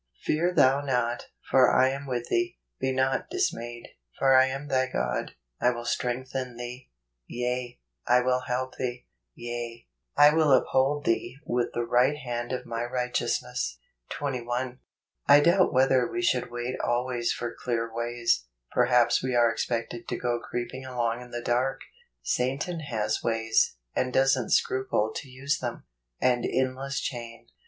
" Fear thou not; for I am tcith thee: be not dis¬ mayed ; for I am thy God: T will strengthen thee; yea, I icill help thee ; yea, I will uphold thee with the right hand of my righteousness ." 21. I doubt whether we should wait always for clear ways; perhaps we are ex¬ pected to go creeping along in the dark. Satan has ways, and doesn't scruple to use them. An Endless Chain.